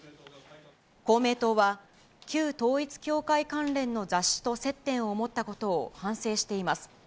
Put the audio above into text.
公明党は、旧統一教会関連の雑誌と接点を持ったことを反省しています。